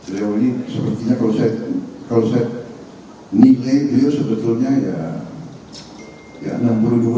luar biasa sebetulnya ya ya